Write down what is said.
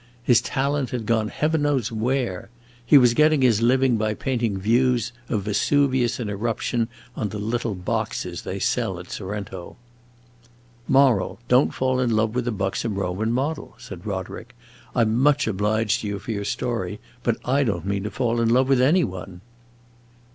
His talent had gone heaven knows where! He was getting his living by painting views of Vesuvius in eruption on the little boxes they sell at Sorrento." "Moral: don't fall in love with a buxom Roman model," said Roderick. "I 'm much obliged to you for your story, but I don't mean to fall in love with any one."